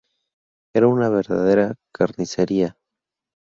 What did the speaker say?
Era una verdadera carnicería.